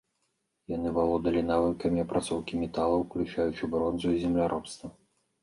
Яны валодалі навыкамі апрацоўкі металаў, уключаючы бронзу, і земляробства.